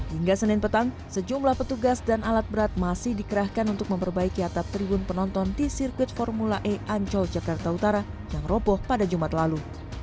hingga senin petang sejumlah petugas dan alat berat masih dikerahkan untuk memperbaiki atap tribun penonton di sirkuit formula e ancol jakarta utara yang roboh pada jumat lalu